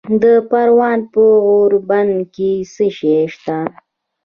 د پروان په غوربند کې څه شی شته؟